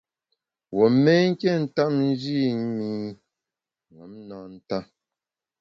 Wuo mé nké ntap nji i mi ṅom na nta.